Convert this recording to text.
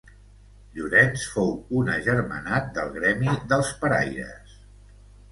Llorenç fou un agermanat del gremi dels paraires.